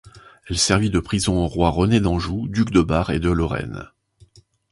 Elle servit de prison au roi René d'Anjou, duc de Bar et de Lorraine.